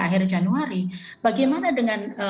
akhir januari bagaimana dengan